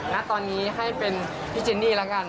ณตอนนี้ให้เป็นพี่เจนนี่แล้วกัน